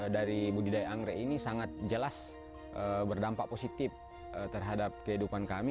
dari budidaya anggrek ini sangat jelas berdampak positif terhadap kehidupan kami